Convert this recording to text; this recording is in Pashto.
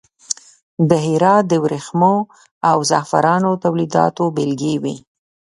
د هرات د وریښمو او زغفرانو تولیداتو بیلګې وې.